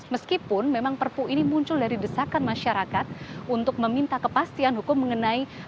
meskipun memang perpu ini muncul dari desakan masyarakat untuk meminta kepastian hukum mengenai